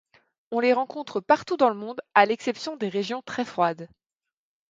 On les rencontre partout dans le monde à l’exception des régions très froides.